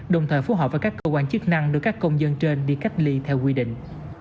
đồng thời phù hợp với các cơ quan chức năng đưa các công dân trên đi cách ly theo quy định